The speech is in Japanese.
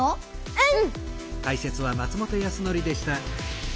うん。